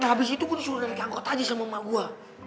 nah abis itu gue disuruh narik angkot aja sama emak gue